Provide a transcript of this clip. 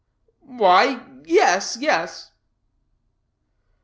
"Why yes, yes."